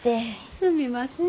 すみません。